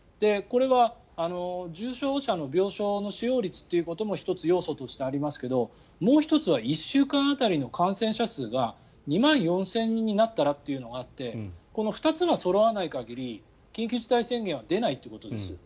これは重症者の病床の使用率ということも１つ要素としてありますけどもう１つは１週間当たりの感染者数が２万４０００人になったらというのがあってこの２つがそろわない限り緊急事態宣言は出ないということです。